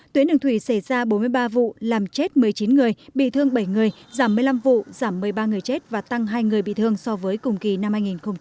tuyến đường thủy xảy ra bốn mươi ba vụ làm chết một mươi chín người bị thương bảy người giảm một mươi năm vụ giảm một mươi ba người chết và tăng hai người bị thương so với cùng kỳ năm hai nghìn một mươi chín